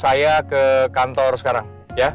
saya ke kantor sekarang